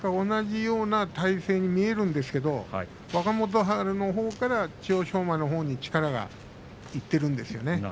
同じような体勢に見えるんですが若元春のほうから千代翔馬のほうに力がいっているんですね。